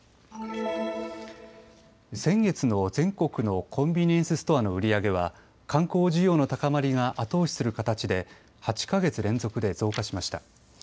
先月の全国のコンビニエンスストアの売り上げは観光需要の高まりが後押しする形で８か月連続で増加しました。